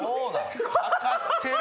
かかってる！